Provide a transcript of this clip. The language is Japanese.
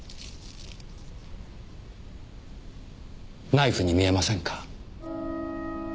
ナイフに見えませんか？